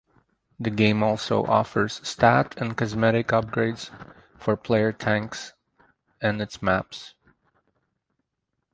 The game also offers stat and cosmetic upgrades for player tanks and its maps.